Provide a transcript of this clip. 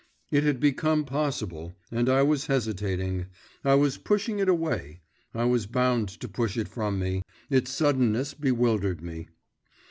It had become possible, and I was hesitating, I was pushing it away, I was bound to push it from me its suddenness bewildered me.